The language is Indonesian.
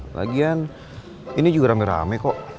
lagian ini juga rame rame kok